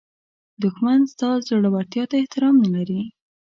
دښمن ستا زړورتیا ته احترام نه لري